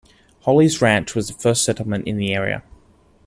Holly's ranch was the first settlement in the area.